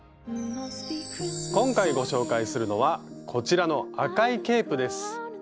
今回ご紹介するのはこちらの赤いケープです。